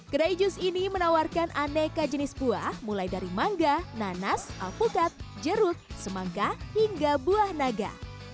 kedai jus ini menawarkan aneka jenis buah mulai dari mangga nanas alpukat jeruk semangka hingga buah naga